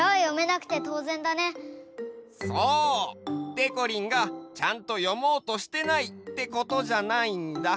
でこりんがちゃんと読もうとしてないってことじゃないんだ。